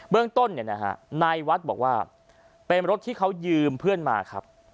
เรื่องต้นนายวัดบอกว่าเป็นรถที่เขายืมเพื่อนมาครับ